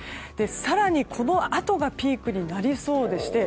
更に、このあとがピークになりそうでして。